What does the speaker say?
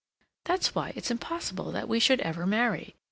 That's why it's impossible that we should ever marry.